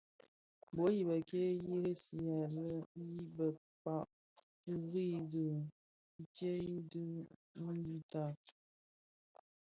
Bul i bëkéé yi ressiya yi bëkpàg rì di đì tyën ti ngüità.